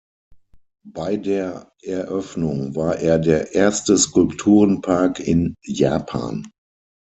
Bei der Eröffnung war er der erste Skulpturenpark in Japan.